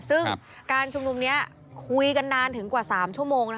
ซึ่งการชุมนุมนี้คุยกันนานถึงกว่า๓ชั่วโมง